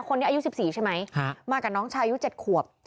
คนนี้อายุสิบสี่ใช่ไหมฮะมากับน้องชายอายุเจ็ดขวบ